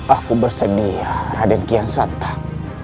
aku bersedia raden kian santap